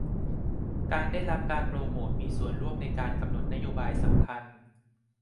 การได้รับการโปรโมตมีส่วนร่วมในการกำหนดนโยบายสำคัญ